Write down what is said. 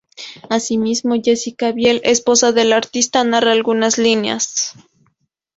Asimismo, Jessica Biel, esposa del artista, narra algunas líneas.